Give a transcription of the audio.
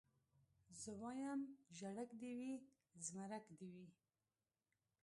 زه وايم ژړک دي وي زمرک دي وي